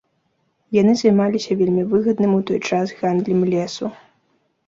Яны займаліся вельмі выгадным у той час гандлем лесу.